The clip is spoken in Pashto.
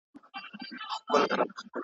چي تړلي مدرسې وي د پنجاب د واسکټونو ,